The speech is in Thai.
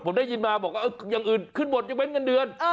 ผมได้ยินมาบอกว่าอย่างอื่นขึ้นหมดยกเว้นเงินเดือน